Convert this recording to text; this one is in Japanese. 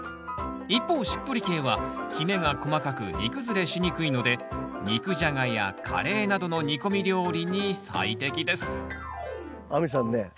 一方しっとり系はきめが細かく煮崩れしにくいので肉ジャガやカレーなどの煮込み料理に最適です亜美さんね。